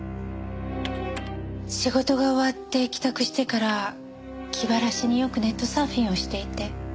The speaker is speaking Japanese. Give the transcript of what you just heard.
仕事が終わって帰宅してから気晴らしによくネットサーフィンをしていて。